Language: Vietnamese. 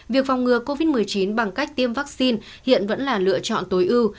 việc phòng ngừa covid một mươi chín bằng cách tiêm vaccine hiện vẫn là lựa chọn tối ưu